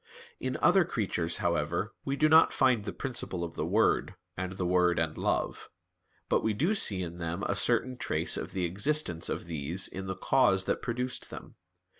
In other creatures, however, we do not find the principle of the word, and the word and love; but we do see in them a certain trace of the existence of these in the Cause that produced them.